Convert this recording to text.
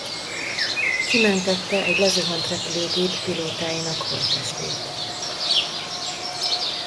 Kimentette egy lezuhant repülőgép pilótáinak holttestét.